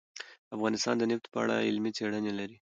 افغانستان د نفت په اړه علمي څېړنې لري.